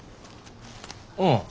うん。